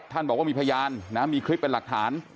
บอกว่ามีพยานนะมีคลิปเป็นหลักฐาน